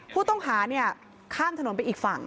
ผู้ต้องหาข้ามถนนไปอีกฝั่ง